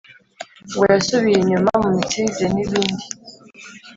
ngo yasubiye inyuma mu mitsindire n’ibindi.